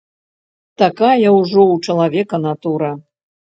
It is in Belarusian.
Такая ўжо ў чалавека натура.